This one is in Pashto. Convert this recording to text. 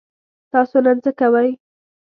تاسو نن څه کوئ؟